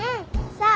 そう。